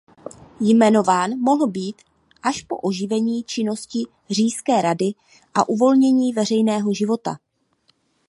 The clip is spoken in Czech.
Jmenován mohl být až po oživení činnosti Říšské rady a uvolnění veřejného života.